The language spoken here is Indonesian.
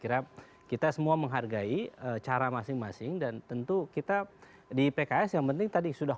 kirap kita semua menghargai cara masing masing dan tentu kita di pks yang penting tadi sudah